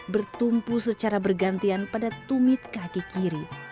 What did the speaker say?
bertumpu secara bergantian pada tumit kaki kiri